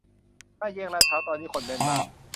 ห้าแยกลาดพร้าวตอนนี้คนแน่นมาก